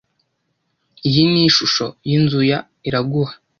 Iyi ni ishusho yinzu ya Iraguha.